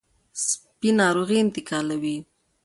سپي ناروغي انتقالوي.